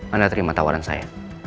anda terima tawaran saya